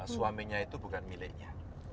suaminya itu bukan miliknya